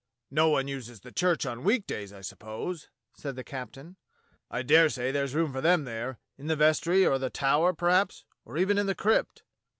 "No one uses the church on weekdays, I suppose," said the captain. "I daresay there's room for them there, in the vestry or the tower perhaps, or even in the crypt."